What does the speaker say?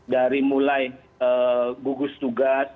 dari mulai gugus tugas